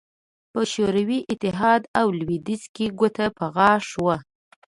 په شوروي اتحاد او لوېدیځ کې ګوته په غاښ وو